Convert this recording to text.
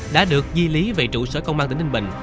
đã được di lý về trụ sở công an tỉnh ninh bình